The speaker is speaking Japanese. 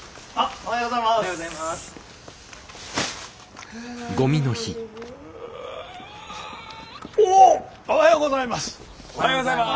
おはようございます。